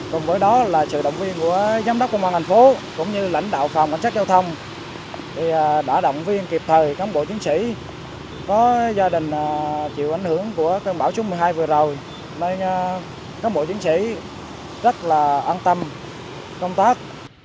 cùng với đó là sự động viên của giám đốc công an thành phố cũng như lãnh đạo phòng cảnh sát giao thông đã động viên kịp thời cán bộ chiến sĩ có gia đình chịu ảnh hưởng của cơn bão số một mươi hai vừa rồi nên các bộ chính sĩ rất là an tâm công tác